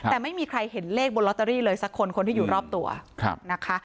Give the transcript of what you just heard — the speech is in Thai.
แต่ไม่มีใครเห็นเลขบนลอตเตอรี่เลยสักคนคนที่อยู่รอบตัวนะคะ